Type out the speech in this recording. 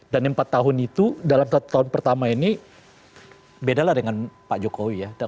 dan empat tahun itu dalam satu tahun pertama ini bedalah dengan pak jokowi ya